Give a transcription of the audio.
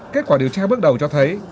kết quả điều tra bước đầu cho thấy